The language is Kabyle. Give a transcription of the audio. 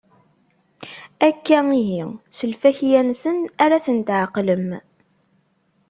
Akka ihi, s lfakya-nsen ara ten-tɛeqlem.